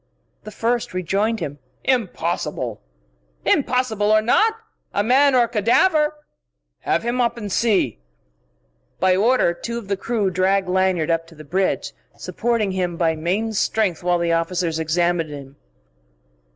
The first rejoined him. "Impossible!" "Impossible or not a man or a cadaver!" "Have him up and see...." By order, two of the crew dragged Lanyard up to the bridge, supporting him by main strength while the officers examined him.